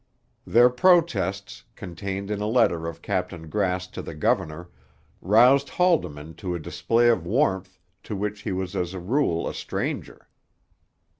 Their protests, contained in a letter of Captain Grass to the governor, roused Haldimand to a display of warmth to which he was as a rule a stranger.